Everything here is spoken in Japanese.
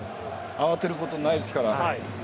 慌てることないですから。